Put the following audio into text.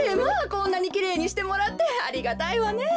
こんなにきれいにしてもらってありがたいわねえ。